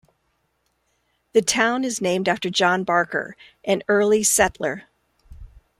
The town is named after John Barker, an early settler.